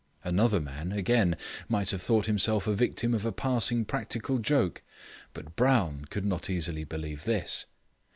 Another man, again, might have thought himself a victim of a passing practical joke, but Brown could not easily believe this.